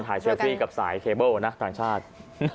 ขณะถ่ายเชื้อฟรีกับสายเคเบล์นะต่างชาติ